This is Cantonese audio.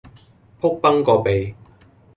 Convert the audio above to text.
仆崩個鼻